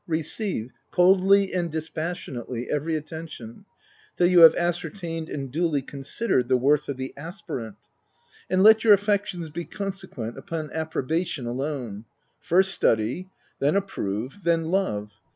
Receive, coldly and dispassionately, every attention, till you have ascertained and duly considered the worth of the aspirant ; and let your affections be consequent upon appro bation alone. First study ; then approve ; then love.